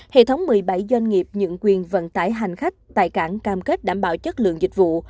hệ thống một mươi bảy doanh nghiệp nhận quyền vận tải hành khách tại cảng cam kết đảm bảo chất lượng dịch vụ